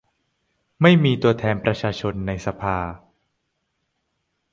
ไม่มีตัวแทนประชาชนในสภา